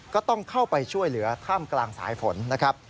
ก็ต้องเข้าไปช่วยเหลือท่ามกลางสายฝนนะครับ